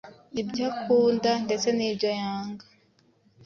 ibyo akunda ndetse n’ibyo yanga